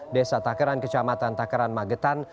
desa takeran kecamatan takeran magetan